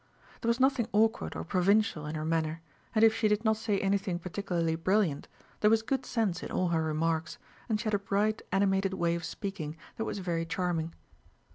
There was nothing awkward or provincial in her manner; and if she did not say anything particularly brilliant, there was good sense in all her remarks, and she had a bright animated way of speaking that was very charming.